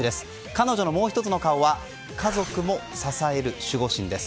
彼女のもう１つの顔は家族も支える守護神です。